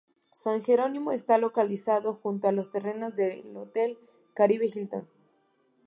San Gerónimo está localizado junto a los terrenos del Hotel Caribe Hilton.